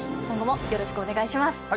今後もよろしくお願いします。